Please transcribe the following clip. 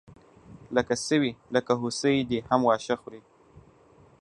لکه سوی لکه هوسۍ، دی هم واښه خوري